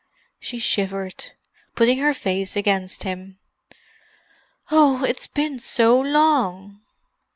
She shivered, putting her face against him. "Oh—it's been so long!"